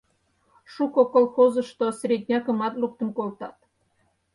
Шуко колхозышто среднякымат луктын колтат.